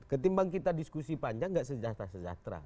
ketimbang kita diskusi panjang gak sejahtera sejahtera